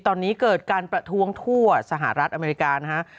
ตอนนี้เกิดการประท้วงทั่วสหรัฐอเมริกานะฮะ